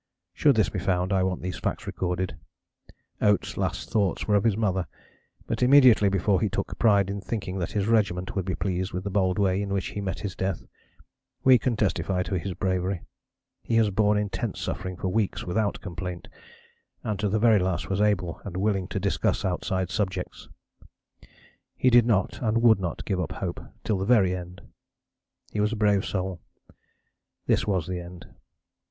"Should this be found I want these facts recorded. Oates' last thoughts were of his mother, but immediately before he took pride in thinking that his regiment would be pleased with the bold way in which he met his death. We can testify to his bravery. He has borne intense suffering for weeks without complaint, and to the very last was able and willing to discuss outside subjects. He did not would not give up hope till the very end. He was a brave soul. This was the end.